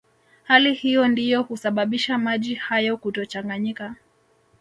Hali hiyo ndiyo husababisha maji hayo kutochanganyika